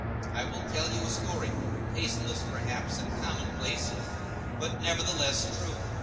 I will tell you a story—tasteless, perhaps, and commonplace, but nevertheless true.